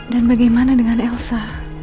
dan bagaimana dengan elsa